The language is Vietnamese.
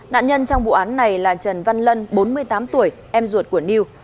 nạn nhân trong vụ án này là trần văn lân bốn mươi tám tuổi em ruột của new